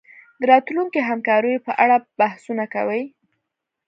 د راتلونکو همکاریو په اړه بحثونه کوي